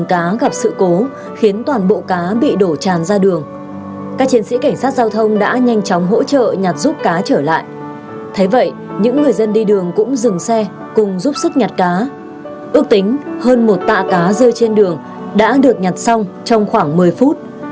các chiến sĩ cảnh sát giao thông đã nhanh chóng hỗ trợ nhặt giúp cá trở lại thế vậy những người dân đi đường cũng dừng xe cùng giúp sức nhặt cá ước tính hơn một tạ cá rơi trên đường đã được nhặt xong trong khoảng một mươi phút